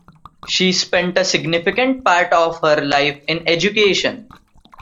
She spent a significant part of her life in education.